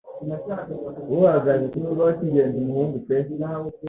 Uhagaze ku kibaho kingenzi muhungu pe